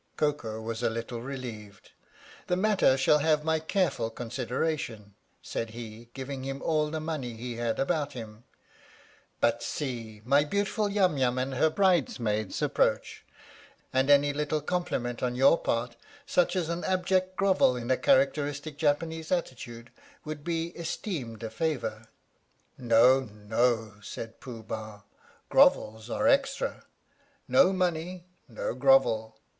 Koko was a little relieved. "The matter shall have my careful consideration," said he, giving him all the money he had about him. " But see my beautiful Yum Yum and her brides maids approach, and any little compliment on your part, such as an abject grovel in a characteristic Japanese attitude, would be esteemed a favour." " No, no," said Pooh Bah, "grovels are extra. No money no grovel."